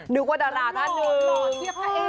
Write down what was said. นึกว่าดาราท่านหนึ่ง